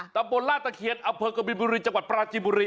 ตำบลลาตะเคียนอำเภอกบินบุรีจังหวัดปราจิบุรี